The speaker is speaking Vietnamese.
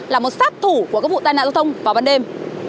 là một sát thủ của các vụ tai nạn giao thông vào ban đêm